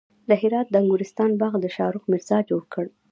د هرات د انګورستان باغ د شاهرخ میرزا جوړ کړ